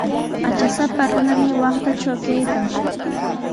Patrasapa runami waqtatraw kaykan.